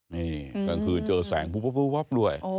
นี่กลางคืนเจอแสงปุ๊บปุ๊บปุ๊บด้วย